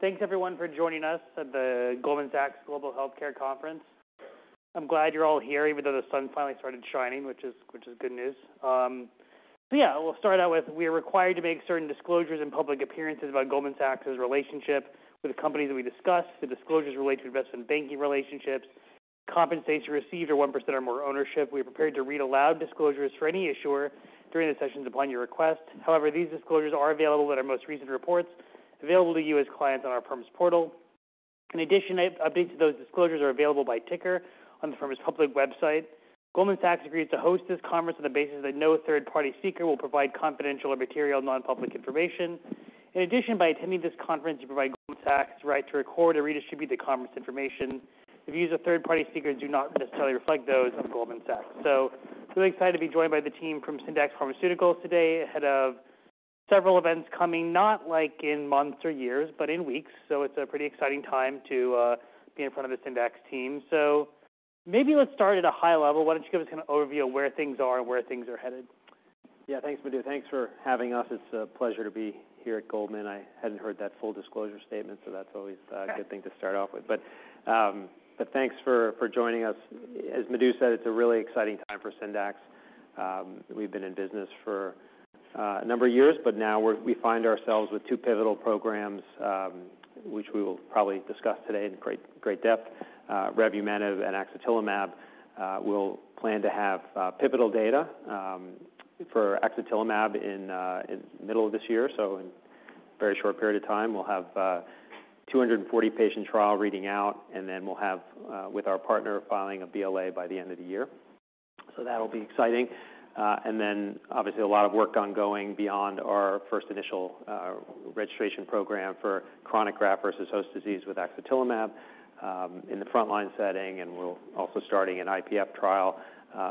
Thanks everyone for joining us at the Goldman Sachs Global Healthcare Conference. I'm glad you're all here, even though the sun finally started shining, which is, which is good news. We'll start out with: We are required to make certain disclosures and public appearances about Goldman Sachs' relationship with the companies that we discuss. The disclosures relate to investment banking relationships, compensation received, or 1% or more ownership. We are prepared to read aloud disclosures for any issuer during the sessions upon your request. However, these disclosures are available in our most recent reports available to you as clients on our firm's portal. In addition, updates to those disclosures are available by ticker on the firm's public website. Goldman Sachs agrees to host this conference on the basis that no third-party speaker will provide confidential or material non-public information. In addition, by attending this conference, you provide Goldman Sachs the right to record and redistribute the conference information. The views of third-party speakers do not necessarily reflect those of Goldman Sachs. Really excited to be joined by the team from Syndax Pharmaceuticals today, ahead of several events coming, not, like, in months or years, but in weeks. It's a pretty exciting time to be in front of the Syndax team. Maybe let's start at a high level. Why don't you give us an overview of where things are and where things are headed? Thanks, Madhu. Thanks for having us. It's a pleasure to be here at Goldman. I hadn't heard that full disclosure statement, so that's always. Okay... a good thing to start off with. thanks for joining us. As Madhu said, it's a really exciting time for Syndax. We've been in business for a number of years, but now we find ourselves with two pivotal programs, which we will probably discuss today in great depth. revumenib and axatilimab. We'll plan to have pivotal data for axatilimab in middle of this year, so in a very short period of time. We'll have 240 patient trial reading out, and then we'll have, with our partner, filing a BLA by the end of the year. That'll be exciting. Obviously, a lot of work ongoing beyond our first initial registration program for chronic graft-versus-host disease with axatilimab in the frontline setting, and we're also starting an IPF trial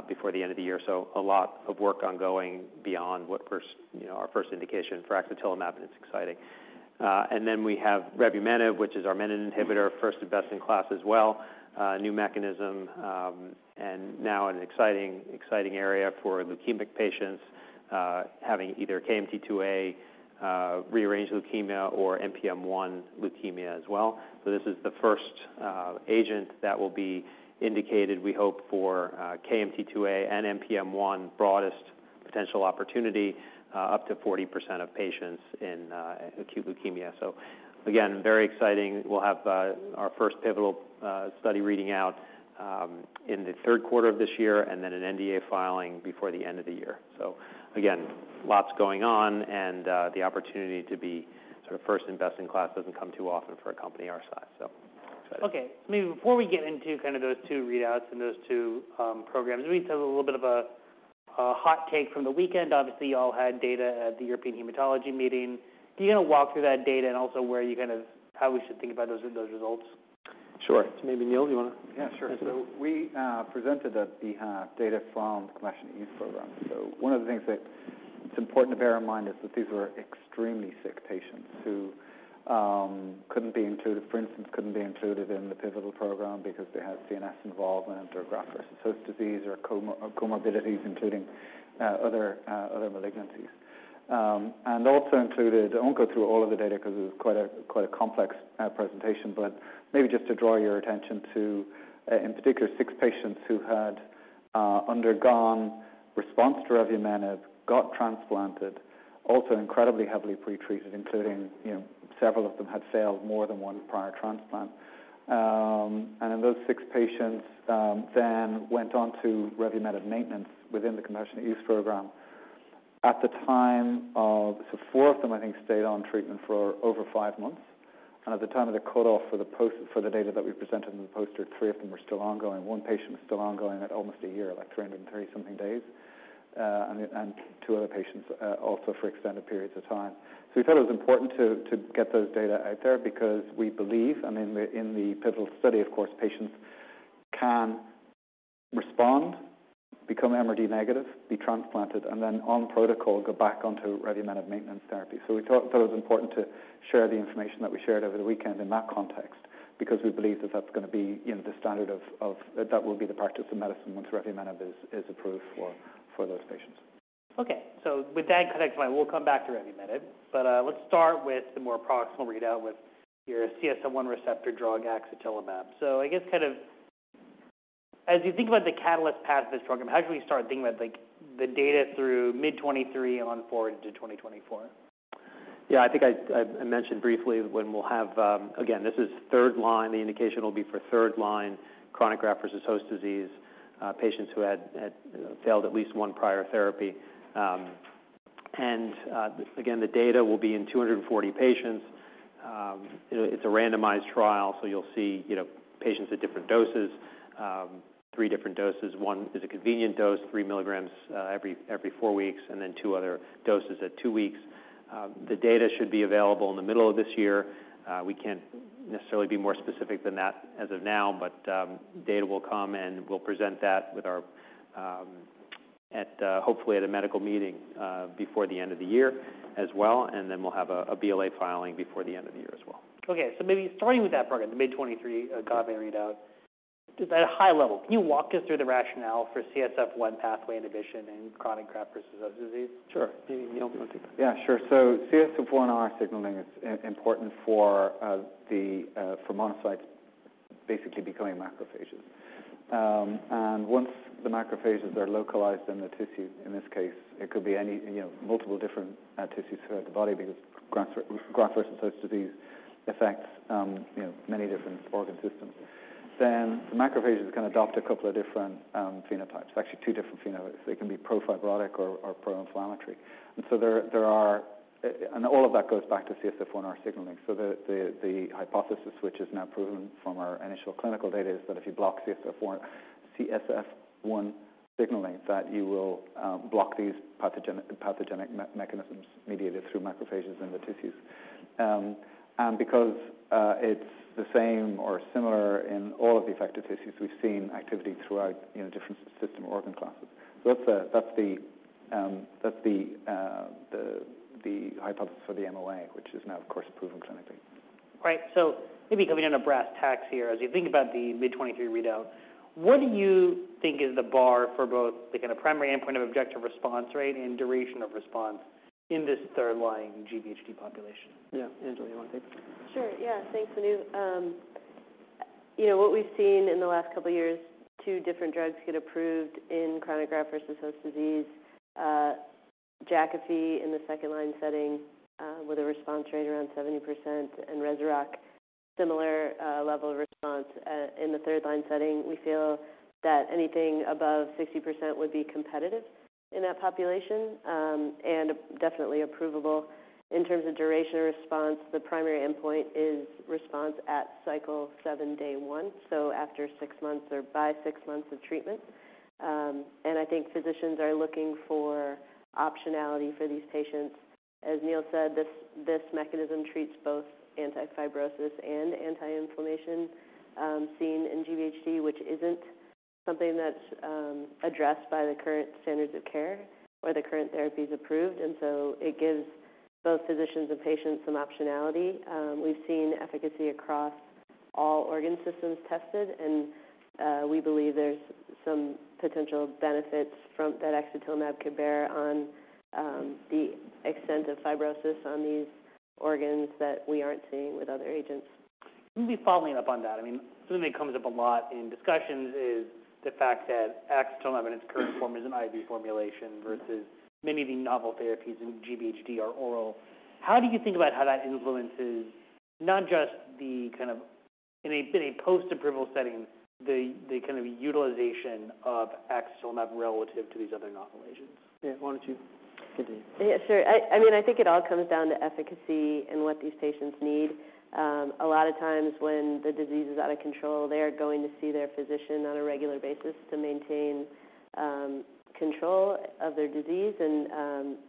before the end of the year. A lot of work ongoing beyond what you know, our first indication for axatilimab, and it's exciting. We have revumenib, which is our menin inhibitor, first-in-best-in-class as well. New mechanism, and now an exciting area for leukemic patients, having either KMT2A rearranged leukemia or NPM1 leukemia as well. This is the first agent that will be indicated, we hope, for KMT2A and NPM1 broadest potential opportunity, up to 40% of patients in acute leukemia. Again, very exciting. We'll have our first pivotal study reading out in the third quarter of this year, and then an NDA filing before the end of the year. Again, lots going on, and the opportunity to be sort of first-in-best-in-class doesn't come too often for a company our size, so excited. Maybe before we get into kind of those two readouts and those two programs, can we get a little bit of a hot take from the weekend? Obviously, you all had data at the European Hematology meeting. Do you want to walk through that data and also how we should think about those results? Sure. Maybe, Neil, you want to- Yeah, sure. Okay. We presented the data from Compassionate Use program. One of the things that it's important to bear in mind is that these were extremely sick patients who couldn't be included, for instance, couldn't be included in the pivotal program because they had CNS involvement, or graft-versus-host disease, or comorbidities, including other other malignancies. Also included... I won't go through all of the data, 'cause it was quite a complex presentation, but maybe just to draw your attention to in particular, six patients who had undergone response to revumenib, got transplanted, also incredibly heavily pretreated, including, you know, several of them had failed more than one prior transplant. Those six patients then went on to revumenib maintenance within the Compassionate Use program. Four of them, I think, stayed on treatment for over five months, and at the time of the cutoff for the data that we presented in the poster, three of them were still ongoing. One patient was still ongoing at almost a year, like, 330-something days, and two other patients also for extended periods of time. We thought it was important to get those data out there because we believe, I mean, in the pivotal study, of course, patients can respond, become MRD negative, be transplanted, and then on protocol, go back onto revumenib maintenance therapy. We thought that it was important to share the information that we shared over the weekend in that context, because we believe that that's gonna be, you know, the standard of... That will be the practice of medicine once revumenib is approved for those patients. Okay, with that connecting line, we'll come back to revumenib. Let's start with the more proximal readout with your CSF-1 receptor drug, axatilimab. I guess kind of as you think about the catalyst path of this program, how should we start thinking about, like, the data through mid-2023 on forward to 2024? Yeah, I think I mentioned briefly when we'll have. Again, this is third-line. The indication will be for third-line chronic graft-versus-host disease patients who had failed at least one prior therapy. Again, the data will be in 240 patients. It's a randomized trial, so you'll see, you know, patients at different doses. Three different doses. One is a convenient dose, three milligrams every four weeks, and then two other doses at two weeks. The data should be available in the middle of this year. We can't necessarily be more specific than that as of now. Data will come. We'll present that with our, hopefully at a medical meeting, before the end of the year as well. We'll have a BLA filing before the end.... Okay, maybe starting with that program, the mid-2023 AGAVE readout, just at a high level, can you walk us through the rationale for CSF1 pathway inhibition in chronic graft-versus-host disease? Sure. Neil, do you want to take that? Yeah, sure. CSF1R signaling is important for the for monocytes basically becoming macrophages. Once the macrophages are localized in the tissue, in this case, it could be any, you know, multiple different tissues throughout the body because graft versus host disease affects, you know, many different organ systems. The macrophages can adopt a couple of different phenotypes, actually two different phenotypes. They can be pro-fibrotic or pro-inflammatory. There are, and all of that goes back to CSF1R signaling. The hypothesis, which is now proven from our initial clinical data, is that if you block CSF1 signaling, that you will block these pathogenic mechanisms mediated through macrophages in the tissues. Because it's the same or similar in all of the affected tissues, we've seen activity throughout, you know, different system organ classes. That's the hypothesis for the MOA, which is now, of course, proven clinically. Right. maybe coming into brass tacks here, as you think about the mid-2023 readout, what do you think is the bar for both, like, in a primary endpoint of objective response rate and duration of response in this third-line GVHD population? Yeah. Angela, you want to take this? Sure. Yeah, thanks, Neil. you know, what we've seen in the last couple of years, two different drugs get approved in chronic graft-versus-host disease, Jakafi in the second-line setting, with a response rate around 70%, Rezurock, similar level of response. In the third-line setting, we feel that anything above 60% would be competitive in that population, definitely approvable. In terms of duration of response, the primary endpoint is response at cycle 7, day 1, so after 6 months or by 6 months of treatment. I think physicians are looking for optionality for these patients. As Neil said, this mechanism treats both anti-fibrosis and anti-inflammation seen in GVHD, which isn't something that's addressed by the current standards of care or the current therapies approved. It gives both physicians and patients some optionality. We've seen efficacy across all organ systems tested, and we believe there's some potential benefits from that axatilimab could bear on the extent of fibrosis on these organs that we aren't seeing with other agents. Maybe following up on that, I mean, something that comes up a lot in discussions is the fact that axatilimab in its current form is an IV formulation versus many of the novel therapies in GVHD are oral. How do you think about how that influences, not just the kind of in a post-approval setting, the kind of utilization of axatilimab relative to these other novel agents? Yeah, why don't you continue? I mean, I think it all comes down to efficacy and what these patients need. A lot of times when the disease is out of control, they are going to see their physician on a regular basis to maintain control of their disease.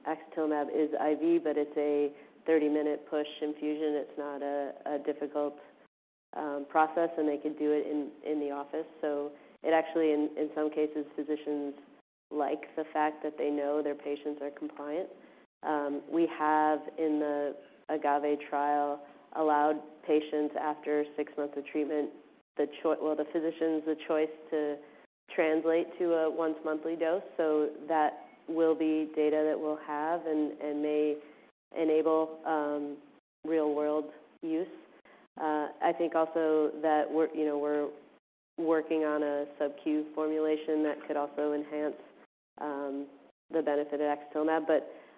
axatilimab is IV, but it's a 30-minute push infusion. It's not a difficult process, they can do it in the office. It actually, in some cases, physicians like the fact that they know their patients are compliant. We have, in the AGAVE trial, allowed patients, after 6 months of treatment, the physicians, the choice to translate to a once-monthly dose. That will be data that we'll have and may enable real-world use. I think also that we're, you know, we're working on a sub-Q formulation that could also enhance the benefit of axatilimab.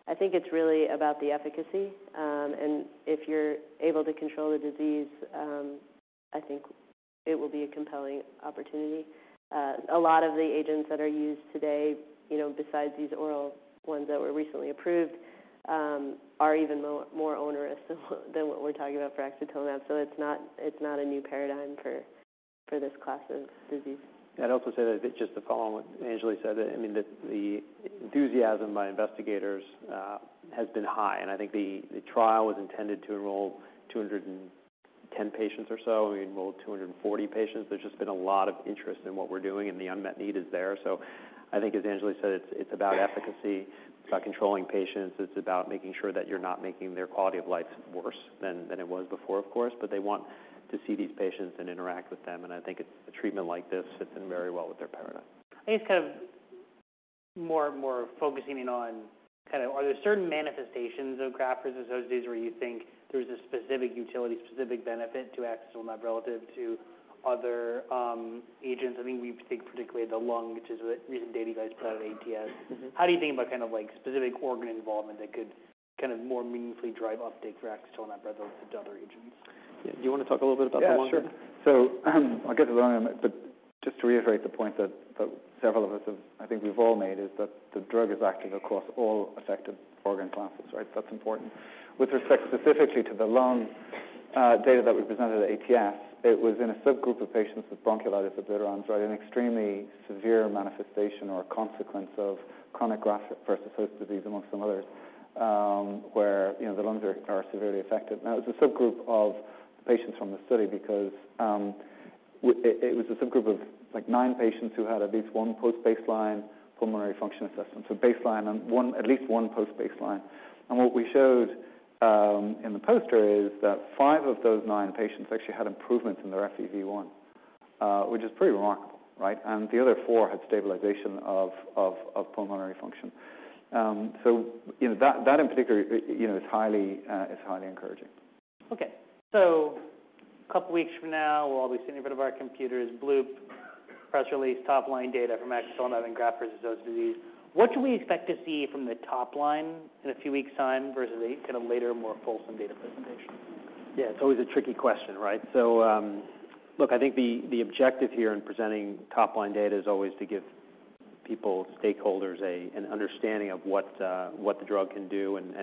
I think it's really about the efficacy, and if you're able to control the disease, I think it will be a compelling opportunity. A lot of the agents that are used today, you know, besides these oral ones that were recently approved, are even more onerous than what we're talking about for axatilimab. It's not, it's not a new paradigm for this class of disease. I'd also say that just to follow what Angela said, I mean, the enthusiasm by investigators has been high, and I think the trial was intended to enroll 210 patients or so, and we enrolled 240 patients. There's just been a lot of interest in what we're doing, and the unmet need is there. I think, as Angela said, it's about efficacy, it's about controlling patients, it's about making sure that you're not making their quality of life worse than it was before, of course. They want to see these patients and interact with them, and I think a treatment like this fits in very well with their paradigm. I guess kind of more and more focusing in on kind of, are there certain manifestations of graft versus host disease where you think there's a specific utility, specific benefit to axatilimab relative to other, agents? I think we think particularly the lung, which is the recent data you guys put out at ATS. Mm-hmm. How do you think about kind of like specific organ involvement that could kind of more meaningfully drive uptake for axatilimab relative to other agents? Yeah. Do you want to talk a little bit about the lung? Yeah, sure. I'll get to the lung, but just to reiterate the point that several of us I think we've all made, is that the drug is active across all affected organ classes, right? That's important. With respect specifically to the lung data that we presented at ATS, it was in a subgroup of patients with bronchiolitis obliterans, an extremely severe manifestation or consequence of chronic graft-versus-host disease, amongst some others, where, you know, the lungs are severely affected. It's a subgroup of patients from the study because.... it was a subgroup of, like, nine patients who had at least one post-baseline pulmonary function assessment. Baseline and at least one post-baseline. What we showed in the poster is that five of those nine patients actually had improvements in their FEV1, which is pretty remarkable, right? The other four had stabilization of pulmonary function. You know, that in particular, you know, is highly encouraging. A couple weeks from now, we'll all be sitting in front of our computers, press release, top-line data from axatilimab and graft-versus-host disease. What should we expect to see from the top line in a few weeks' time versus a kind of later, more fulsome data presentation? Yeah, it's always a tricky question, right? Look, I think the objective here in presenting top-line data is always to give people, stakeholders, an understanding of what the drug can do and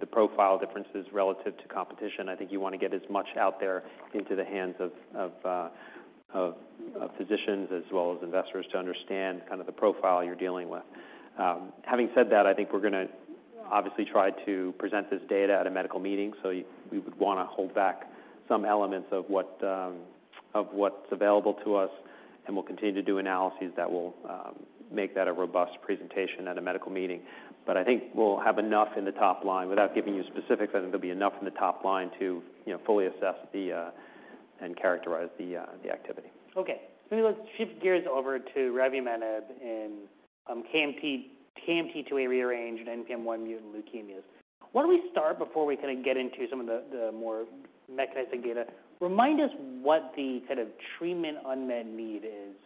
the profile differences relative to competition. I think you want to get as much out there into the hands of physicians, as well as investors, to understand kind of the profile you're dealing with. Having said that, I think we're gonna obviously try to present this data at a medical meeting, so we would want to hold back some elements of what's available to us, and we'll continue to do analyses that will make that a robust presentation at a medical meeting. I think we'll have enough in the top line. Without giving you specifics, I think there'll be enough in the top line to, you know, fully assess the, and characterize the activity. Let's shift gears over to revumenib in KMT2A rearranged and NPM1 mutant leukemias. Why don't we start before we kind of get into the more mechanistic data, remind us what the kind of treatment unmet need is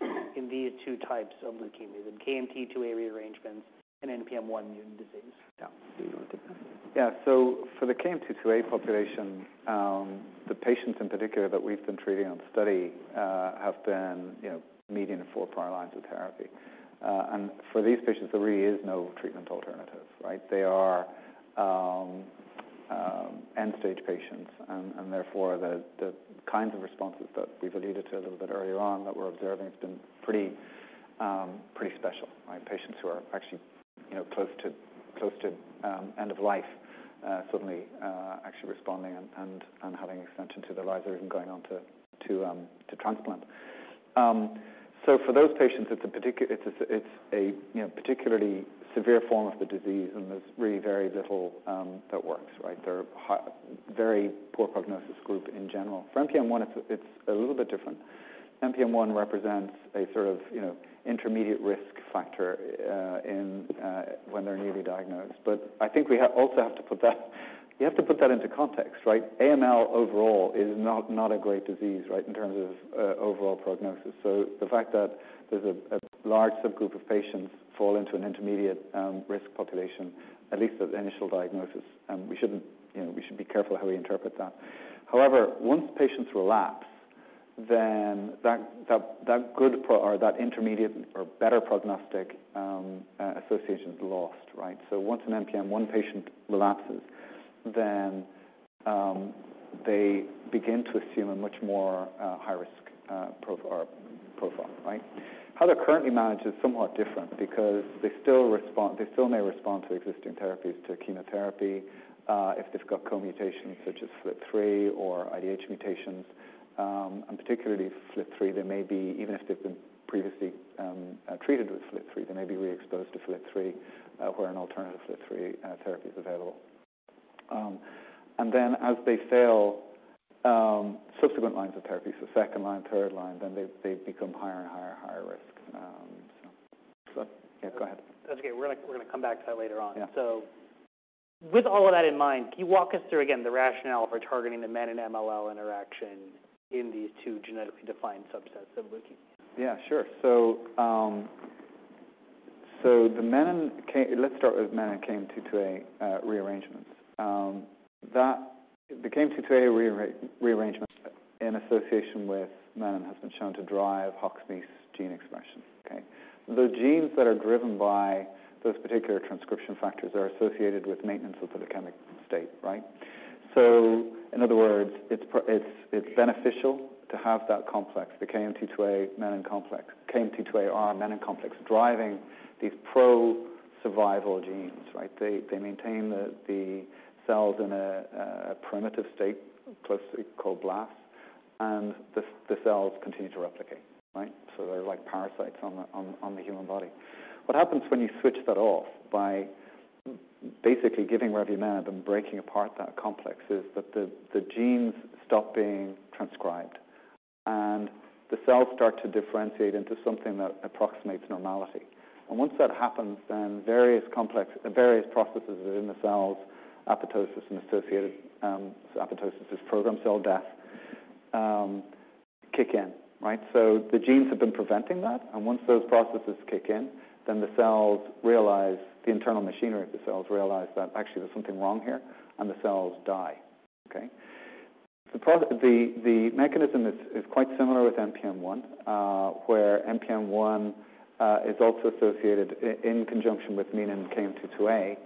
in these two types of leukemia, the KMT2A rearrangements and NPM1 mutant disease? Yeah. Do you want to take that? Yeah. For the KMT2A population, the patients in particular that we've been treating on the study have been, you know, median of four prior lines of therapy. For these patients, there really is no treatment alternative, right? They are end-stage patients, and therefore, the kinds of responses that we've alluded to a little bit earlier on that we're observing, it's been pretty special, right? Patients who are actually, you know, close to end of life, suddenly actually responding and having extension to their lives or even going on to transplant. For those patients, it's a, you know, particularly severe form of the disease, and there's really very little that works, right? They're a very poor prognosis group in general. For NPM1, it's a little bit different. NPM1 represents a sort of, you know, intermediate risk factor in when they're newly diagnosed. I think we also have to put that. You have to put that into context, right? AML overall is not a great disease, right, in terms of overall prognosis. The fact that there's a large subgroup of patients fall into an intermediate risk population, at least at initial diagnosis, and we shouldn't, you know, we should be careful how we interpret that. However, once patients relapse, that good or that intermediate or better prognostic association is lost, right? Once an NPM1 patient relapses, they begin to assume a much more high risk profile, right? How they're currently managed is somewhat different because they still may respond to existing therapies, to chemotherapy, if they've got co-mutations such as FLT3 or IDH mutations. Particularly for FLT3, they may be, even if they've been previously, treated with FLT3, they may be reexposed to FLT3, where an alternative FLT3 therapy is available. As they fail, subsequent lines of therapy, so second line, third line, then they become higher and higher and higher risk. Yeah, go ahead. That's okay. We're gonna come back to that later on. Yeah. With all of that in mind, can you walk us through again the rationale for targeting the menin-MLL interaction in these two genetically defined subsets of leukemia? Yeah, sure. Let's start with menin KMT2A rearrangements. The KMT2A rearrangement in association with menin has been shown to drive HOX gene expression, okay? The genes that are driven by those particular transcription factors are associated with maintenance of the leukemic state, right? In other words, it's beneficial to have that complex, the KMT2A menin complex, KMT2A/R menin complex, driving these pro-survival genes, right? They maintain the cells in a primitive state, closely called blasts, and the cells continue to replicate, right? They're like parasites on the human body. What happens when you switch that off by basically giving revumenib and breaking apart that complex, is that the genes stop being transcribed, and the cells start to differentiate into something that approximates normality. Once that happens, then various complex, various processes within the cells, apoptosis and associated. Apoptosis is programmed cell death, kick in, right? The genes have been preventing that, and once those processes kick in, then the cells realize, the internal machinery of the cells realize that actually there's something wrong here, and the cells die, okay? The mechanism is quite similar with NPM1, where NPM1 is also associated in conjunction with menin KMT2A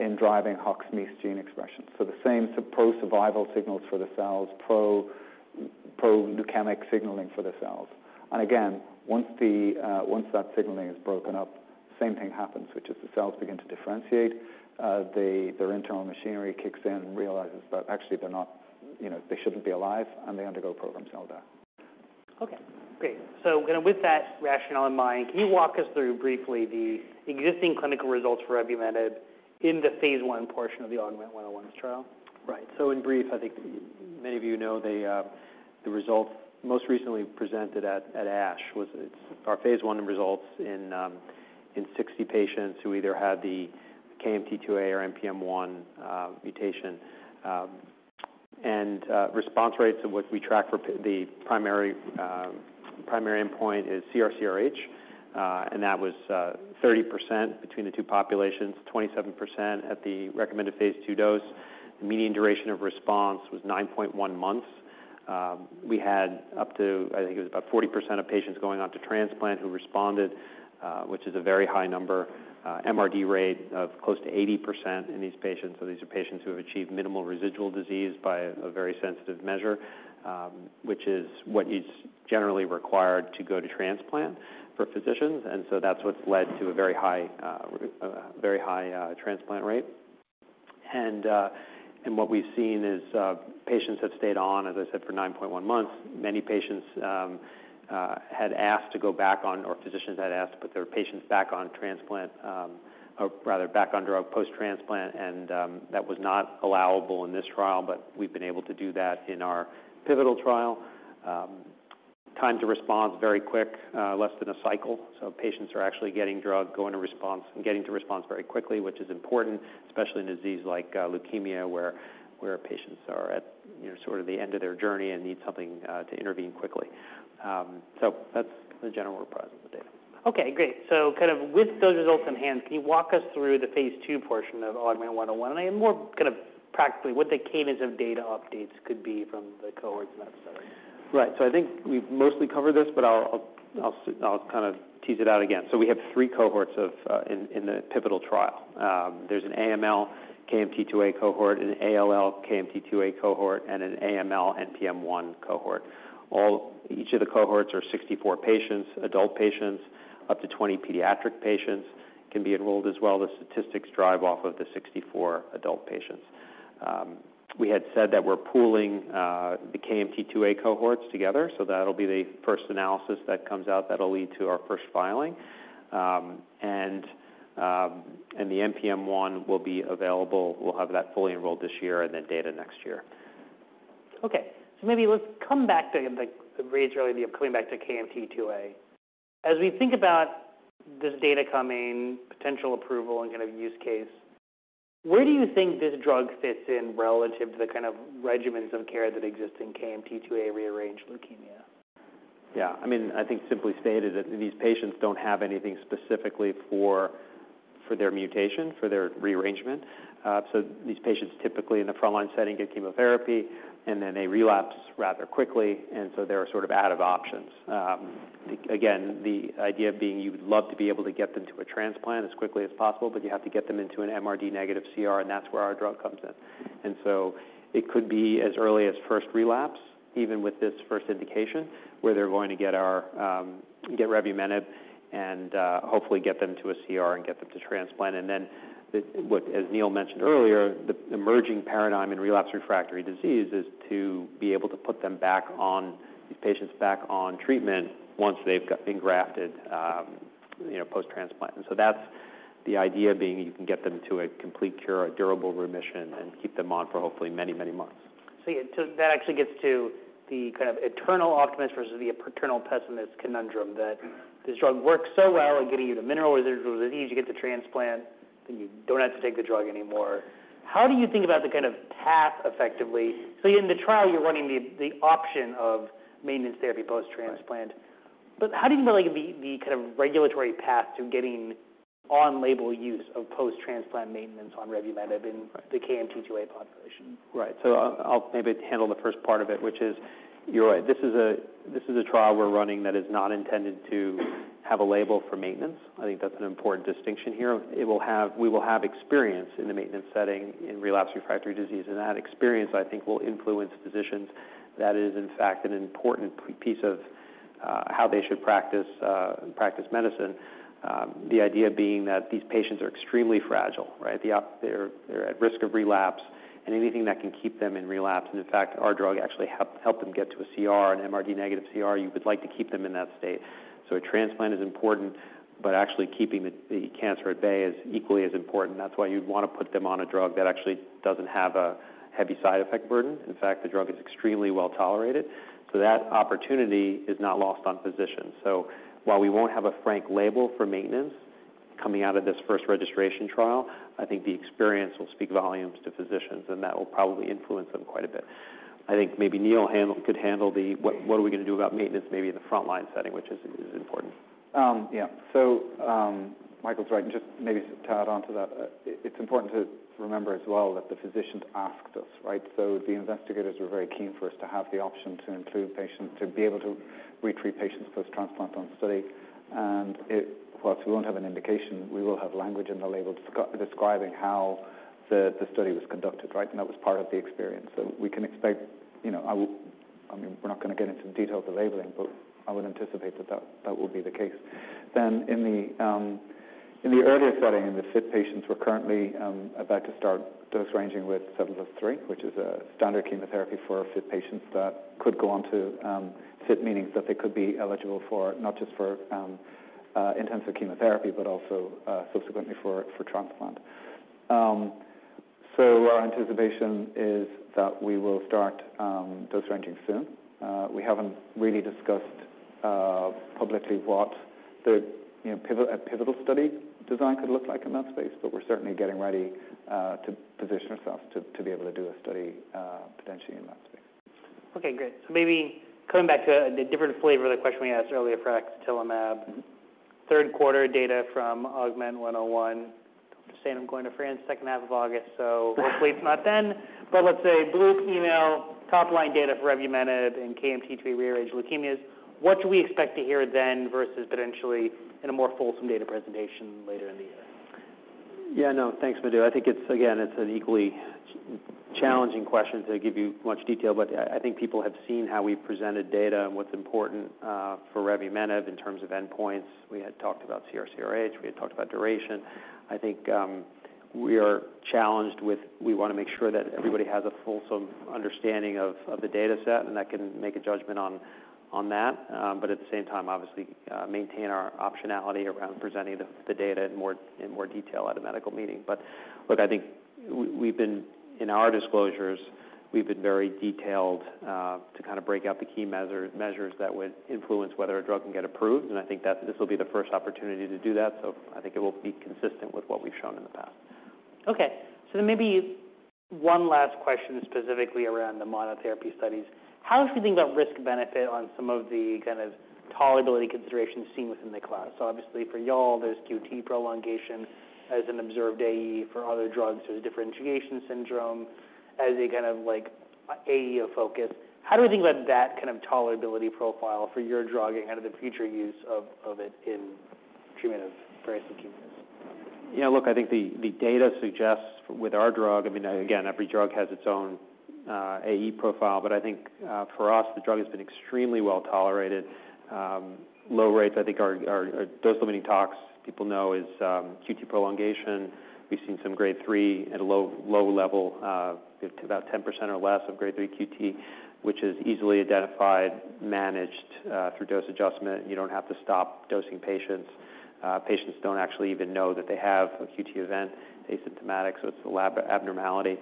in driving HOX gene expression. The same, so pro-survival signals for the cells, pro-leukemic signaling for the cells. Again, once the once that signaling is broken up, same thing happens, which is the cells begin to differentiate. Their internal machinery kicks in and realizes that actually they're not, you know, they shouldn't be alive, and they undergo programmed cell death. Okay, great. With that rationale in mind, can you walk us through briefly the existing clinical results for revumenib in the phase 1 portion of the AUGMENT-101 trial? In brief, I think many of you know, the results most recently presented at ASH was it's our phase 1 results in 60 patients who either had the KMT2A or NPM1 mutation. Response rates of what we track for the primary endpoint is CR/CRh, and that was 30% between the two populations, 27% at the recommended phase 2 dose. The median duration of response was 9.1 months. We had up to, I think it was about 40% of patients going on to transplant who responded, which is a very high number, MRD rate of close to 80% in these patients. These are patients who have achieved minimal residual disease by a very sensitive measure, which is what is generally required to go to transplant for physicians, that's what's led to a very high transplant rate. What we've seen is patients have stayed on, as I said, for 9.1 months. Many patients had asked to go back on, or physicians had asked to put their patients back on transplant, or rather back on drug post-transplant, that was not allowable in this trial, but we've been able to do that in our pivotal trial. Time to response, very quick, less than a cycle. Patients are actually getting drug, going to response, and getting to response very quickly, which is important, especially in a disease like leukemia, where patients are at, you know, sort of the end of their journey and need something to intervene quickly. That's the general reprise of the data. Okay, great. kind of with those results in hand, can you walk us through the phase two portion of AUGMENT-101? more kind of practically, what the cadence of data updates could be from the cohorts and that study? Right. I think we've mostly covered this, but I'll kind of tease it out again. We have three cohorts in the pivotal trial. There's an AML KMT2A cohort, an ALL KMT2A cohort, and an AML NPM1 cohort. Each of the cohorts are 64 patients, adult patients, up to 20 pediatric patients can be enrolled as well. The statistics drive off of the 64 adult patients. We had said that we're pooling the KMT2A cohorts together, so that'll be the first analysis that comes out, that'll lead to our first filing. The NPM1 will be available. We'll have that fully enrolled this year and then data next year. Okay. Maybe let's come back to, like, the very early of coming back to KMT2A. As we think about this data coming, potential approval and gonna use case, where do you think this drug fits in relative to the kind of regimens of care that exist in KMT2A-rearranged leukemia? Yeah, I mean, I think simply stated, that these patients don't have anything specifically for their mutation, for their rearrangement. These patients, typically in the frontline setting, get chemotherapy, and then they relapse rather quickly, and so they're sort of out of options. Again, the idea being, you would love to be able to get them to a transplant as quickly as possible, you have to get them into an MRD negative CR, and that's where our drug comes in. It could be as early as first relapse, even with this first indication, where they're going to get our, get revumenib and hopefully get them to a CR and get them to transplant. As Neil mentioned earlier, the emerging paradigm in relapse refractory disease is to be able to put them back on, these patients back on treatment once they've got engrafted, you know, post-transplant. That's the idea being you can get them to a complete cure, a durable remission, and keep them on for hopefully many, many months. Yeah, that actually gets to the kind of eternal optimist versus the eternal pessimist conundrum, that this drug works so well at getting you the minimal residual disease, you get to transplant, then you don't have to take the drug anymore. How do you think about the kind of path effectively? In the trial, you're running the option of maintenance therapy post-transplant. Right. how do you like the kind of regulatory path to getting on-label use of post-transplant maintenance on revumenib? Right. in the KMT2A population? Right. I'll maybe handle the first part of it, which is, you're right. This is a trial we're running that is not intended to have a label for maintenance. I think that's an important distinction here. We will have experience in the maintenance setting in relapse refractory disease, and that experience, I think, will influence physicians. That is, in fact, an important piece of how they should practice medicine. The idea being that these patients are extremely fragile, right? They're at risk of relapse and anything that can keep them in relapse, and in fact, our drug actually helped them get to a CR, an MRD negative CR. You would like to keep them in that state. A transplant is important, but actually keeping the cancer at bay is equally as important. That's why you'd want to put them on a drug that actually doesn't have a heavy side effect burden. In fact, the drug is extremely well-tolerated, so that opportunity is not lost on physicians. While we won't have a frank label for maintenance coming out of this first registration trial, I think the experience will speak volumes to physicians, and that will probably influence them quite a bit. I think maybe Neil could handle the, what are we going to do about maintenance maybe in the frontline setting, which is important. Yeah. Michael's right, and just maybe to add on to that, it's important to remember as well that the physicians asked us, right? The investigators were very keen for us to have the option to include patients, to be able to retreat patients post-transplant on study. Whilst we won't have an indication, we will have language in the label describing how the study was conducted, right? That was part of the experience. We can expect, you know, I mean, we're not going to get into the detail of the labeling, but I would anticipate that will be the case. In the earlier study, in the fit patients, we're currently about to start dose ranging with 7+3, which is a standard chemotherapy for fit patients that could go on to fit, meaning that they could be eligible for not just for intensive chemotherapy, but also subsequently for transplant. Our anticipation is that we will start dose ranging soon. We haven't really discussed publicly what the, you know, a pivotal study design could look like in that space, but we're certainly getting ready to position ourselves to be able to do a study potentially in that space. Okay, great. maybe coming back to a different flavor of the question we asked earlier for axatilimab, third quarter data from AUGMENT-101, saying I'm going to France second half of August, hopefully it's not then, but let's say blue email, top line data for revumenib and KMT2A rearrangement leukemias. What should we expect to hear then versus potentially in a more fulsome data presentation later in the year? No, thanks, Madhu. I think it's. Again, it's an equally challenging question to give you much detail, I think people have seen how we've presented data and what's important for revumenib in terms of endpoints. We had talked about CR/CRh, we had talked about duration. I think, we are challenged with we want to make sure that everybody has a fulsome understanding of the data set, and that can make a judgment on that, at the same time, obviously, maintain our optionality around presenting the data in more detail at a medical meeting. I think we've been, in our disclosures, we've been very detailed, to kind of break out the key measures that would influence whether a drug can get approved, and I think that this will be the first opportunity to do that. I think it will be consistent with what we've shown in the past. Okay. Maybe one last question, specifically around the monotherapy studies. How have you think about risk-benefit on some of the kind of tolerability considerations seen within the class? Obviously, for y'all, there's QT prolongation as an observed AE. For other drugs, there's differentiation syndrome as a kind of, like, AE of focus. How do you think about that kind of tolerability profile for your drug and kind of the future use of it in treatment of various leukemias? Look, I think the data suggests with our drug, I mean, again, every drug has its own AE profile, I think, for us, the drug has been extremely well-tolerated. Low rates, I think, our dose-limiting talks, people know, is QT prolongation. We've seen some grade 3 at a low level, about 10% or less of grade 3 QT, which is easily identified, managed, through dose adjustment. You don't have to stop dosing patients. Patients don't actually even know that they have a QT event, asymptomatic, so it's a lab abnormality,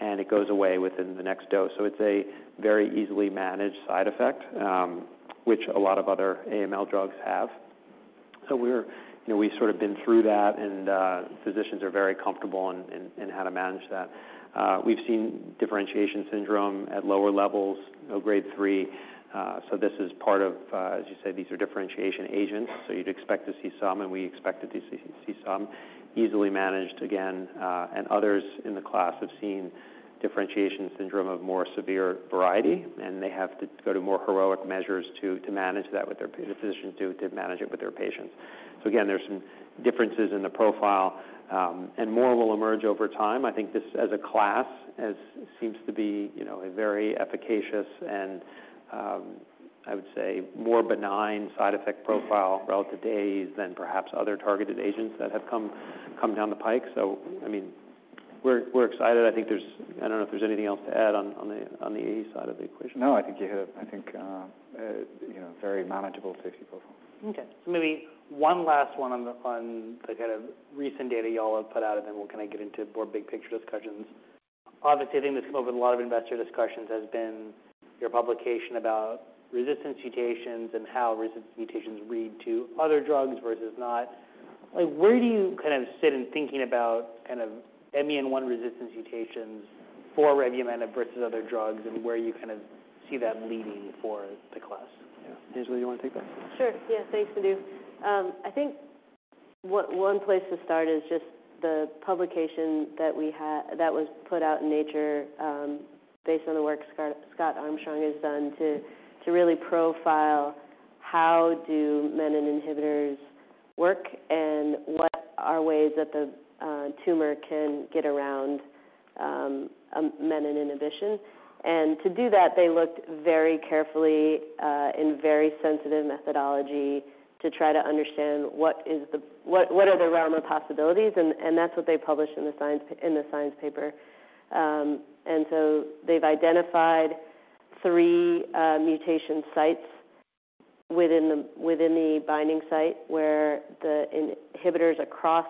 and it goes away within the next dose. It's a very easily managed side effect, which a lot of other AML drugs have. We're... You know, we've sort of been through that, and physicians are very comfortable in how to manage that. We've seen differentiation syndrome at lower levels, no grade 3, so this is part of, as you said, these are differentiation agents, so you'd expect to see some, and we expected to see some. Easily managed again, and others in the class have seen differentiation syndrome of more severe variety, and they have to go to more heroic measures to manage that with their physicians do to manage it with their patients. Again, there's some differences in the profile, and more will emerge over time. I think this, as a class, as seems to be, you know, a very efficacious and, I would say, more benign side effect profile relative AEs than perhaps other targeted agents that have come down the pike. I mean, we're excited. I think there's, I don't know if there's anything else to add on the AE side of the equation. No, I think you hit it. I think, you know, very manageable safety profile. Maybe one last one on the kind of recent data y'all have put out, and then we'll kind of get into more big-picture discussions. The thing that's come up in a lot of investor discussions has been your publication about resistance mutations and how resistance mutations read to other drugs versus not. Where do you kind of sit in thinking about kind of MEN1 resistance mutations for revumenib versus other drugs and where you kind of see that leading for the class? Yeah. Paisley, you want to take that? Sure. Yeah, thanks, Madhu. I think one place to start is just the publication that was put out in Nature, based on the work Scott Armstrong has done, to really profile how do menin inhibitors work and what are ways that the tumor can get around a menin inhibition. To do that, they looked very carefully in very sensitive methodology to try to understand what are the realm of possibilities, and that's what they published in the science paper. They've identified 3 mutation sites within the, within the binding site, where the inhibitors across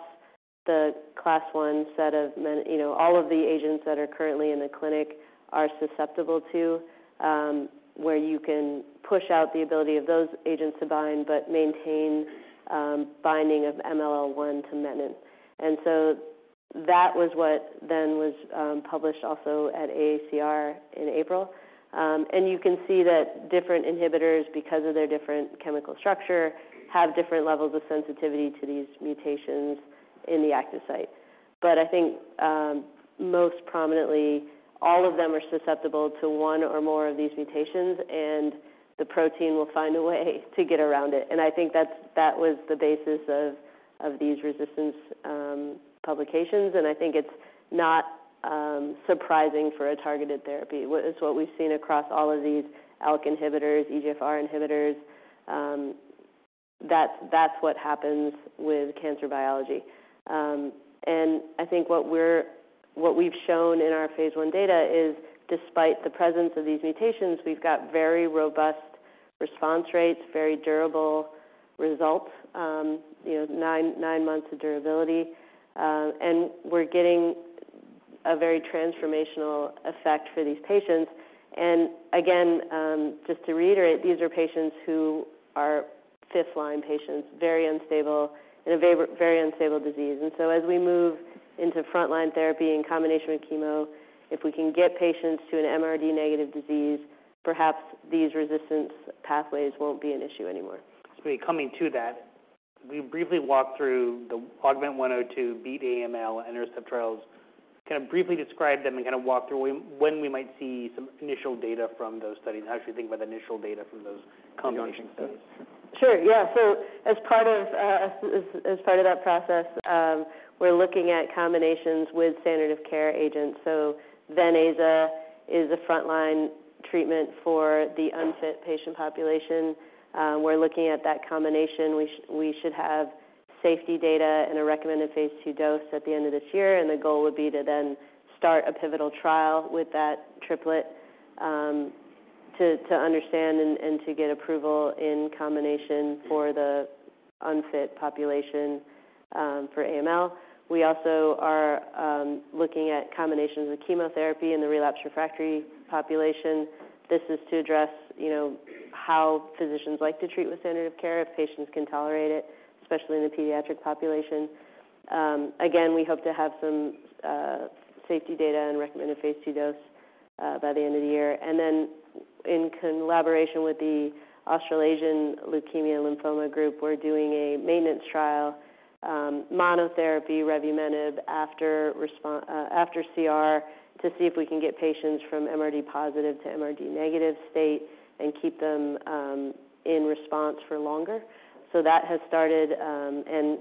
the class 1 set of you know, all of the agents that are currently in the clinic are susceptible to, where you can push out the ability of those agents to bind but maintain binding of MLL1 to menin. That was what then was published also at AACR in April. You can see that different inhibitors, because of their different chemical structure, have different levels of sensitivity to these mutations in the active site. I think, most prominently, all of them are susceptible to 1 or more of these mutations, and the protein will find a way to get around it. I think that was the basis of these resistance publications. I think it's not surprising for a targeted therapy. It's what we've seen across all of these ALK inhibitors, EGFR inhibitors. That's what happens with cancer biology. I think what we've shown in our Phase 1 data is, despite the presence of these mutations, we've got very robust response rates, very durable results, you know, 9 months of durability. We're getting a very transformational effect for these patients. Again, just to reiterate, these are patients who are fifth-line patients, very unstable, in a very unstable disease. As we move into frontline therapy in combination with chemo, if we can get patients to an MRD negative disease, perhaps these resistance pathways won't be an issue anymore. Coming to that, we briefly walked through the AUGMENT-102, Beat AML, and INTERCEPT trials. Kind of briefly describe them and kind of walk through when we might see some initial data from those studies and how you actually think about the initial data from those combination studies? Sure. Yeah. As part of that process, we're looking at combinations with standard of care agents. Venetoclax and azacitidine is a frontline treatment for the unfit patient population. We're looking at that combination. We should have safety data and a recommended phase 2 dose at the end of this year, the goal would be to then start a pivotal trial with that triplet to understand and to get approval in combination for the unfit population for AML. We also are looking at combinations with chemotherapy in the relapsed refractory population. This is to address, you know, how physicians like to treat with standard of care if patients can tolerate it, especially in the pediatric population. Again, we hope to have some safety data and recommended phase 2 dose by the end of the year. In collaboration with the Australasian Leukaemia and Lymphoma Group, we're doing a maintenance trial, monotherapy revumenib after CR, to see if we can get patients from MRD positive to MRD negative state and keep them in response for longer. That has started, and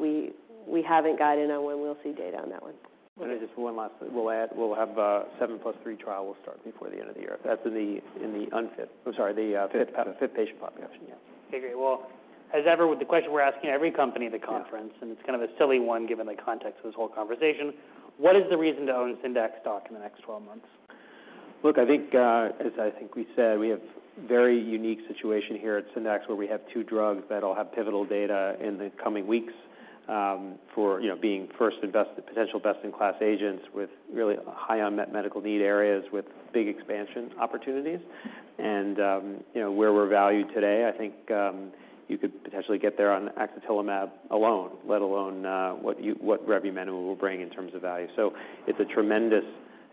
we haven't guided on when we'll see data on that one. Just one last thing. We'll have 7+3 trial will start before the end of the year. That's in the unfit, I'm sorry, the. Fit fit patient population, yeah. Okay, great. Well, as ever, with the question, we're asking every company at the conference. Yeah It's kind of a silly one, given the context of this whole conversation: What is the reason to own Syndax stock in the next 12 months? Look, I think, as I think we said, we have very unique situation here at Syndax, where we have two drugs that'll have pivotal data in the coming weeks, for, you know, being first and best, the potential best-in-class agents with really high unmet medical need areas with big expansion opportunities. You know, where we're valued today, I think, you could potentially get there on axatilimab alone, let alone, what revumenib will bring in terms of value. It's a tremendous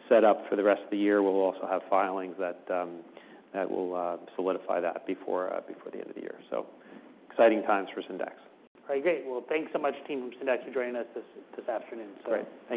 setup for the rest of the year. We'll also have filings that will solidify that before the end of the year. Exciting times for Syndax. All right, great! thanks so much, team from Syndax, for joining us this afternoon. Great. Thank you.